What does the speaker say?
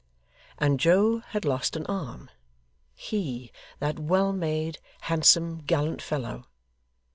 And Joe had lost an arm he that well made, handsome, gallant fellow!